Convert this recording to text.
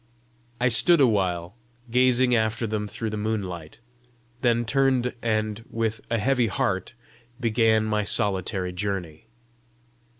I stood a while, gazing after them through the moonlight, then turned and, with a heavy heart, began my solitary journey.